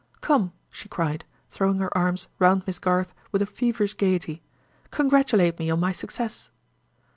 Come!" she cried, throwing her arms round Miss Garth with a feverish gayety—"congratulate me on my success!"